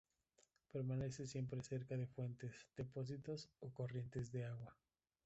Permanece siempre cerca de fuentes, depósitos o corrientes de agua.